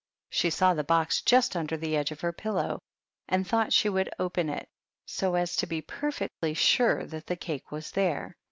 She saw the box just under the edge of her pillow, and thought she would open it, so as to be perfectly sure that the cake was there.